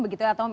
begitu ya tom